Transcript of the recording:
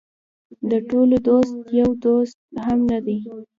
د ټولو دوست د یو دوست هم نه دی.